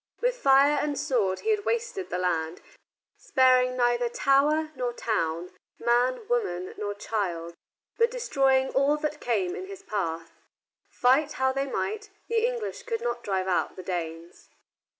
With fire and sword he had wasted the land, sparing neither tower nor town, man, woman, nor child, but destroying all that came in his path. Fight how they might, the English could not drive out the Danes.